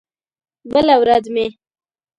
بله ورځ مې